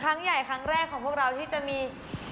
ครั้งใหญ่ครั้งแรกของพวกเราที่จะมี